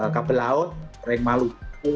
kabel laut reng maluku